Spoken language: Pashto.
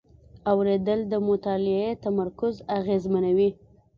اورېدل د مطالعې تمرکز اغېزمنوي.